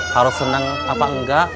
harus senang apa enggak